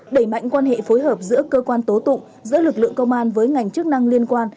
đẩy mạnh quan hệ phối hợp giữa cơ quan tố tụng giữa lực lượng công an với ngành chức năng liên quan